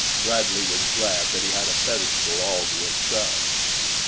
Bradley was glad that he had a pedestal all to himself.